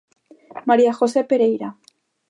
María José Pereira.